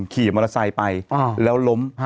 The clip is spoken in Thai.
ขี่มอเตอร์ไซค์ไปแล้วล้ม